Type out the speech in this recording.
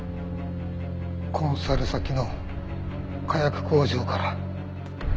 コンサル先の火薬工場から。